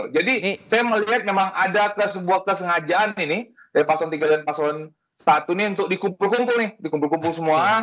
jadi saya melihat memang ada sebuah kesengajaan ini pak sloan iii dan pak sloan i untuk dikumpul kumpul semua